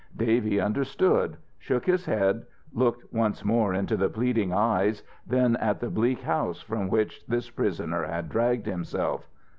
Davy understood, shook his head, looked once more into the pleading eyes, then at the bleak house from which this prisoner had dragged himself.